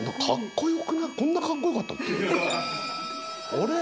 あれ？